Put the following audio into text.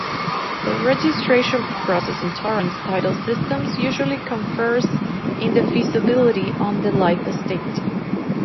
The registration process in Torrens title systems usually confers indefeasibility on the life estate.